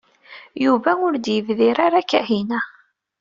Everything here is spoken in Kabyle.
Yuba ur d-yebdir ara Kahina.